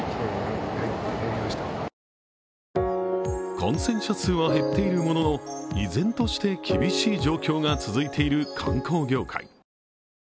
感染者数は減っているものの、依然として厳しい状況が続いている観光業界。